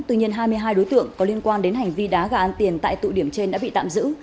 tuy nhiên hai mươi hai đối tượng có liên quan đến hành vi đá gà ăn tiền tại tụ điểm trên đã bị tạm giữ